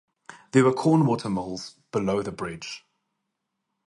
There were corn water mills below the bridge.